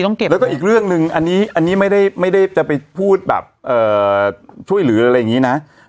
แล้วก็อีกเรื่องหนึ่งอันนี้ไม่ได้จะไปพูดแบบช่วยเหลืออะไรอย่างนี้นะ